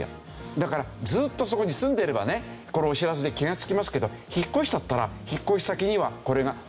だからずーっとそこに住んでればねこのお知らせで気がつきますけど引っ越しちゃったら引っ越し先にはこれが回ってこない。